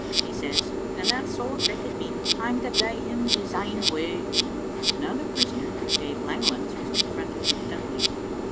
he says, and that so affected me 'at I'm to gie him his ain way." Another prisoner, Dave Langlands, was confronted with Dunwoodie.